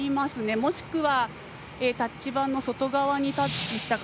もしくはタッチ板の外側にタッチしたか。